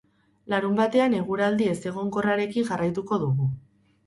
Larunbatean eguraldi ezegonkorrarekin jarraituko dugu.